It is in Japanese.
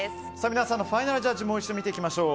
皆さんのファイナルジャッジをもう一度見ていきましょう。